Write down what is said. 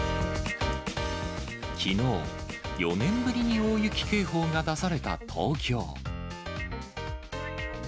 きのう、４年ぶりに大雪警報が出された東京。